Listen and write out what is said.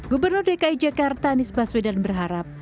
gubernur dki jakarta anies baswedan berharap